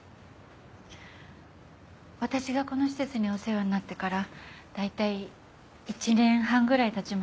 私がこの施設にお世話になってから大体１年半ぐらいたちました。